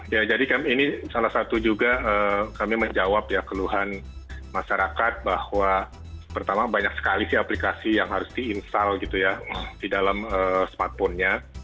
ya jadi ini salah satu juga kami menjawab ya keluhan masyarakat bahwa pertama banyak sekali sih aplikasi yang harus di install gitu ya di dalam smartphone nya